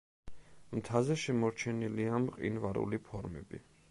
მთაზე შემორჩენილია მყინვარული ფორმები.